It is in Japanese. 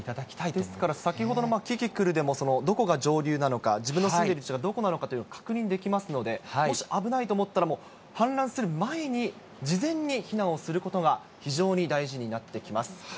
ですから、先ほどのキキクルでも、どこが上流なのか、自分の住んでる位置はどこなのかと確認できますので、もし危ないと思ったら、もう氾濫する前に事前に避難をすることが非常に大事になってきます。